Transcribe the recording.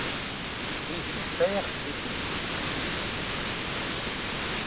Et son père était juif.